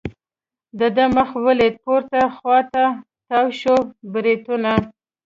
د ده مخ ولید، پورته خوا ته تاو شوي بریتونه.